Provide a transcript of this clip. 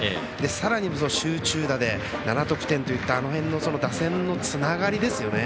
さらに集中打で７得点といったあの辺の打線のつながり。